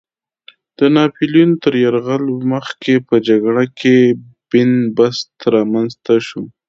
د ناپیلیون تر یرغل مخکې په جګړه کې بن بست رامنځته شو.